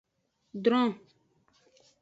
Dron.